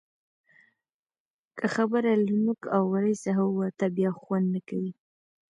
که خبره له نوک او ورۍ څخه ووته؛ بیا خوند نه کوي.